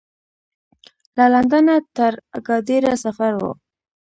له لندنه تر اګادیره سفر و.